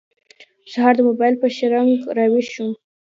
سهار د موبایل په شرنګ راوېښ شوم.